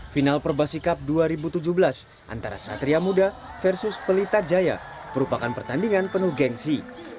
final perbasikap dua ribu tujuh belas antara satria muda versus pelita jaya merupakan pertandingan penuh gengsi